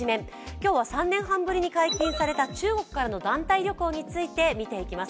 今日は３年半ぶりに解禁された中国からの団体旅行について見ていきます。